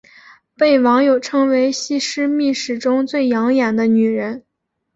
被网友称为西施秘史中最养眼的女人。